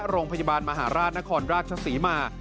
โรงพยาบาลมหาราชนครราชศรีมา